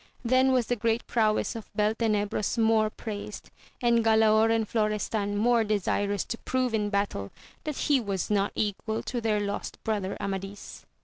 Then was the great prowess of Beltenebros more praised, and Galaor and Florestan more desirous to prove in battle that he was not equal to their lost brother Amadis.